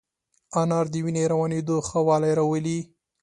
انار د وینې روانېدو ښه والی راولي.